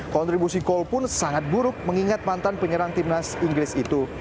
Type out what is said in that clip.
kontribusi cole pun sangat buruk mengingat mantan penyerang timnas inggris itu